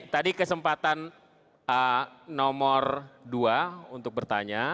tadi kesempatan nomor dua untuk bertanya